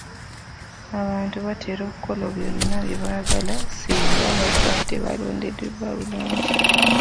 Abantu batera okukola byonna bye baagala singa baba tebalondoolebwa bulungi.